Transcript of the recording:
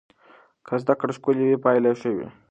که زده کړه ښکلې وي پایله یې ښه وي.